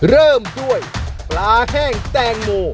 เริ่มด้วยปลาแห้งแตงโม